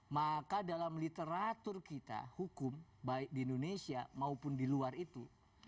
maka dalam literatur kita hukum baik di indonesia maupun di luar itu